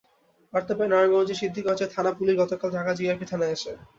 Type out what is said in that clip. বার্তা পেয়ে নারায়ণগঞ্জের সিদ্ধিরগঞ্জের থানা পুলিশ গতকাল ঢাকা জিআরপি থানায় আসে।